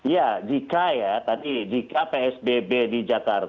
ya di dki ya tadi di dki psbb di jakarta